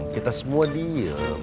kita semua diem